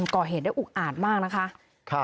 ก่อเหตุได้อุกอาจมากนะคะ